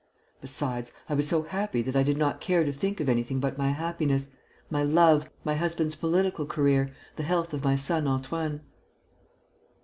Besides, I was so happy that I did not care to think of anything but my happiness, my love, my husband's political career, the health of my son Antoine."